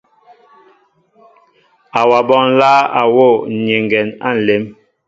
Awaɓó nláá a wɔ nyɛŋgɛ á nlém.